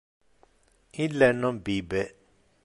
Ille non bibe.